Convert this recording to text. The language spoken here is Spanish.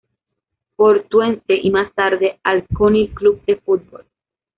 Portuense y más tarde, al Conil Club de Fútbol.